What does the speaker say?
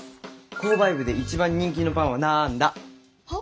購買部で一番人気のパンはなんだ？は？